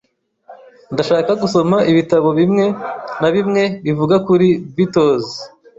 Ndashaka gusoma ibitabo bimwe na bimwe bivuga kuri Beatles.